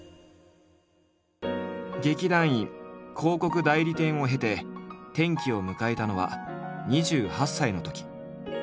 劇団員広告代理店を経て転機を迎えたのは２８歳のとき。